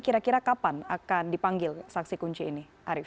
kira kira kapan akan dipanggil saksi kunci ini arief